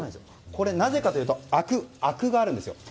これ、なぜかというとあくがあるんですよ。